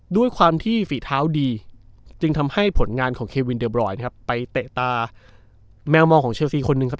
ด้วยความที่ฝีเท้าดีจึงทำให้ผลงานของเควินเดอร์บรอยนะครับไปเตะตาแมวมองของเชลซีคนหนึ่งครับ